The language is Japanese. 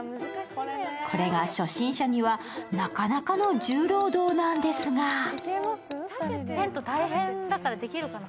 これが初心者にはなかなかの重労働なんですがテント大変だからできるかな？